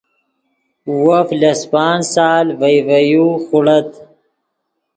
وف لس پانچ سال ڤئے ڤے یو خوڑت